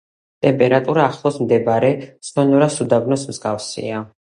ტემპერატურა ახლოს მდებარე სონორას უდაბნოს მსგავსია.